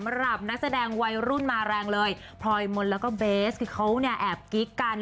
สาวเสน่ห์แรงมากเลยหลงเสน่ห์